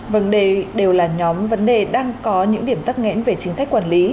vấn đề đều là nhóm vấn đề đang có những điểm tắc nghẽn về chính sách quản lý